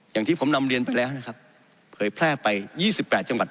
อย่างที่ผมนำเรียนไปแล้วนะครับเผยแพร่ไป๒๘จังหวัด